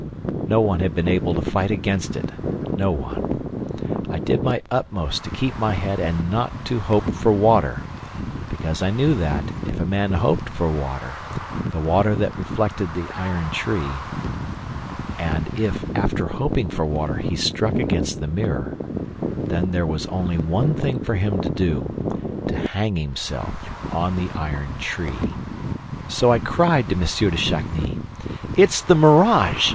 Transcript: ... No one had been able to fight against it ... no one... I did my utmost to keep my head AND NOT TO HOPE FOR WATER, because I knew that, if a man hoped for water, the water that reflected the iron tree, and if, after hoping for water, he struck against the mirror, then there was only one thing for him to do: to hang himself on the iron tree! So I cried to M. de Chagny: "It's the mirage!